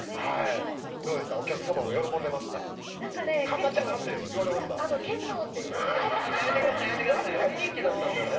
どうでしたお客様も喜んでました？って言われました？っていう悲鳴がやめてください大人気だったんだよね